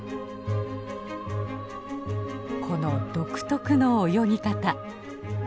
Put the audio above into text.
この独特の泳ぎ方